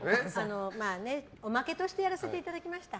おまけとしてやらせていただきました。